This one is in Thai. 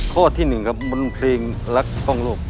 ข้อที่หนึ่งครับบรรพีรักษ์ต้องลูก